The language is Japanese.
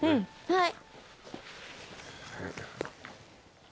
はい。